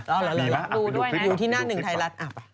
ดูด้วยนะอยู่ที่หน้าหนึ่งไทยรัฐอ่ะไป